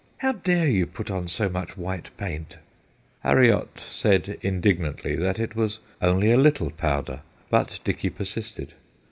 How dare you put on so much white paint ?' Harriot said indignantly that it was only a little powder, but Dicky persisted.